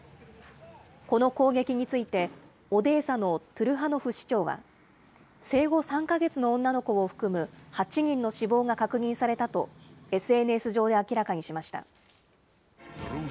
この攻撃について、オデーサのトゥルハノフ市長は、生後３か月の女の子を含む８人の死亡が確認されたと、ＳＮＳ上で明らかにしました。